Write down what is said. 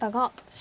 白